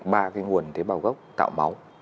ba cái nguồn tế bào gốc tạo máu